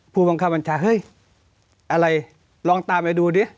ผู้บังคับบัญชาเฮ้ยอะไรลองตามไปดูดิ